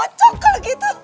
cocok kalau gitu